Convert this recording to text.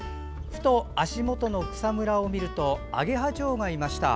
ふと足元の草むらを見るとアゲハチョウを見つけました。